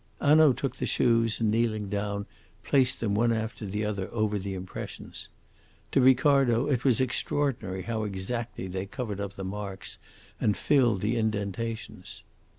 Hanaud took the shoes and, kneeling down, placed them one after the other over the impressions. To Ricardo it was extraordinary how exactly they covered up the marks and filled the indentations.